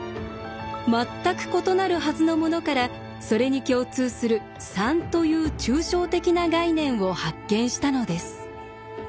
全く異なるはずのものからそれに共通する３という抽象的な概念を発見したのです。